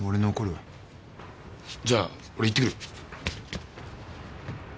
じゃあ俺行ってくる。